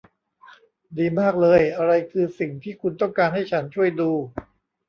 ดีมากเลย อะไรคือสิ่งที่คุณต้องการให้ฉันช่วยดู